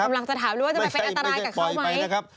เราจะถามเลยว่าจะไปเป็นอันตรายกับเขาไหม